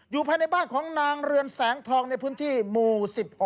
ภายในบ้านของนางเรือนแสงทองในพื้นที่หมู่๑๖